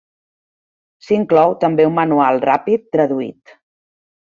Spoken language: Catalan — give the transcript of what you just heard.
S'inclou també un manual ràpid traduït.